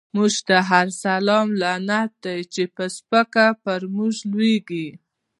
مونږ ته هر سلام لعنت دۍ، چی په سپکه په مونږ لویږی